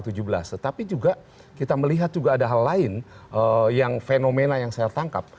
tetapi juga kita melihat juga ada hal lain yang fenomena yang saya tangkap